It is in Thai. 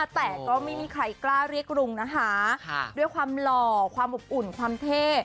แต่ก็ไม่มีใครกล้าเรียกรุงนะคะด้วยความหล่อความอบอุ่นความเท่